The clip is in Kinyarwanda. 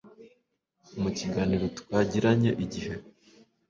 Mu kiganiro twagiranye IGIHE